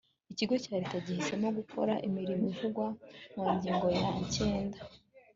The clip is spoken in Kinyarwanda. ikigo cya leta gihisemo gukora imirimo ivugwa mu ngingo ya cyenda